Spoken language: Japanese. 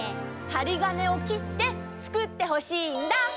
はりがねをきってつくってほしいんだ！